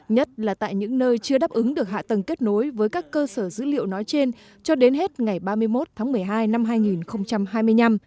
nhất là tại những nơi chưa đáp ứng được hạ tầng kết nối với các cơ sở dữ liệu nói trên cho đến hết ngày ba mươi một tháng một mươi hai năm hai nghìn hai mươi năm